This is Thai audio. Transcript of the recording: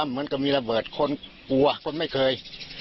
เหมือนกับมีระเบิดคนกลัวคนไม่เคย